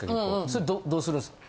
それどうするんすか？